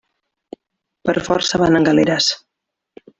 Per força van en galeres.